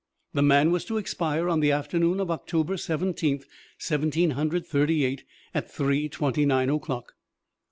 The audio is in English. The man was to expire on the afternoon of October Seventeenth, Seventeen Hundred Thirty eight, at three twenty nine o'clock.